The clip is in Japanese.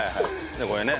でこれね。